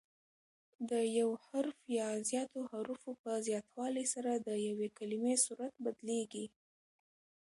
د یو حرف یا زیاتو حروفو په زیاتوالي سره د یوې کلیمې صورت بدلیږي.